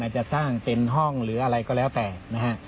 จะสร้างเป็นห้องหรืออะไรก็แล้วแต่นะฮะ